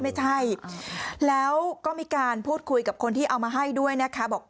ไม่ใช่แล้วก็มีการพูดคุยกับคนที่เอามาให้ด้วยนะคะบอก